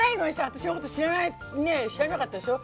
私のこと知らないね知らなかったでしょ？